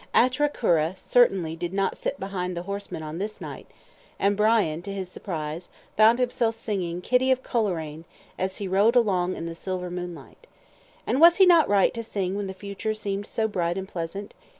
ATRA CURA certainly did not sit behind the horseman on this night; and Brian, to his surprise, found himself singing "Kitty of Coleraine," as he rode along in the silver moonlight. And was he not right to sing when the future seemed so bright and pleasant?